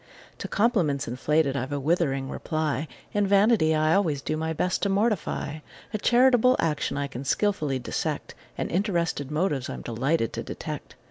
To compliments inflated I've a withering reply; And vanity I always do my best to mortify; A charitable action I can skilfully dissect: And interested motives I'm delighted to detect.